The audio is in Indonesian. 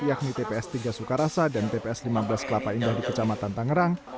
yakni tps tiga sukarasa dan tps lima belas kelapa indah di kecamatan tangerang